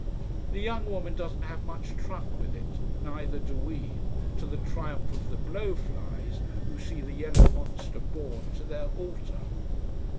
The young woman doesn't have much truck with it: neither do we. To the triumph of the blow flies, who see the yellow monster borne to their altar.